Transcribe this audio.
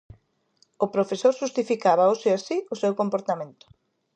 O profesor xustificaba hoxe así o seu comportamento.